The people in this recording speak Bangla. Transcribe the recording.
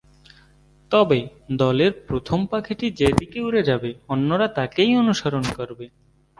তবে দলের প্রথম পাখিটি যে দিকে উড়ে যাবে, অন্যরা তাকেই অনুসরণ করবে।